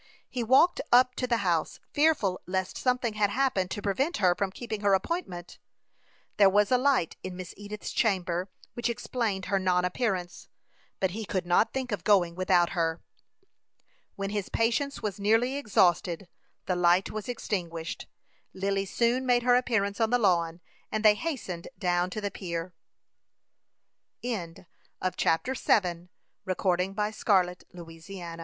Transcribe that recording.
He walked up to the house, fearful lest something had happened to prevent her from keeping her appointment. There was a light in Miss Edith's chamber, which explained her non appearance; but he could not think of going without her. When his patience was nearly exhausted, the light was extinguished. Lily soon made her appearance on the lawn, and they hastened down to the pier. CHAPTER VIII. THE DEPARTURE OF THE YOUNG FUGITIVES. "Dear me!"